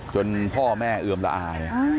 พ่อแม่เอือมละอาย